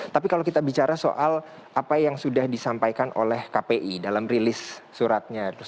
tapi kalau kita bicara soal apa yang sudah disampaikan oleh kpi dalam rilis suratnya